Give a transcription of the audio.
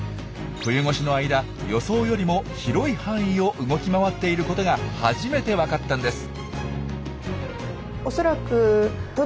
冬越しの間予想よりも広い範囲を動き回っていることが初めて分かったんです。